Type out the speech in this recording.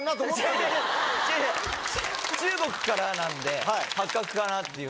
違う違う中国からなんで八角かなっていう。